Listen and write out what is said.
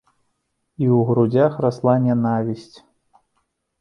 І ў грудзях расла нянавісць.